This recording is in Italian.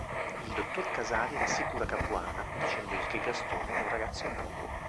Il dottor Casali rassicura Capuana, dicendogli che Gastone è un ragazzo innocuo.